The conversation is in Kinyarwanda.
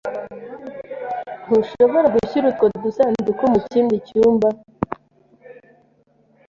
Ntushobora gushyira utwo dusanduku mu kindi cyumba?